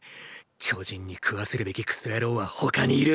巨人に食わせるべきクソ野郎は他にいる。